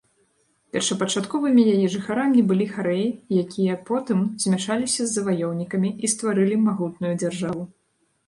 Першапачатковымі яе жыхарамі былі харэі, якія потым змяшаліся з заваёўнікамі і стварылі магутную дзяржаву.